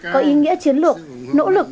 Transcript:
có ý nghĩa chiến lược nỗ lực